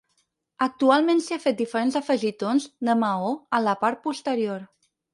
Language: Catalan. Actualment s'hi ha fet diferents afegitons de maó a la part posterior.